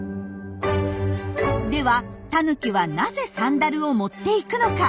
ではタヌキはなぜサンダルを持っていくのか？